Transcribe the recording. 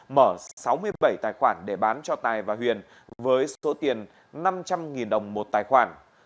mở sáu mươi bảy tài khoản để bán cho tài và huyền với số tiền năm trăm linh đồng một tài khoản